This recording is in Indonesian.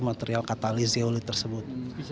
material katalisi zeolit tersebut